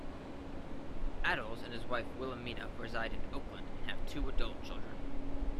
Attles and his wife Wilhelmina reside in Oakland and have two adult children.